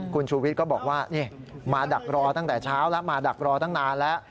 คุณชูวิทย์ก็บอกว่ามาดักรอตั้งแต่เช้าแล้วมาดักรอตั้งนานแล้ว